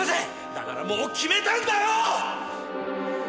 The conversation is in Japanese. だからもう決めたんだよ！